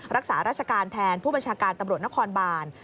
รักษาราชการแทนผู้บัญชาการตำรวจนครบาน